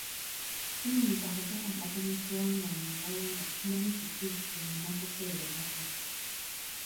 Siyinza kugalangatanya kiwanga mu ngalo nga simanyi kiki kye nnina kukeererako.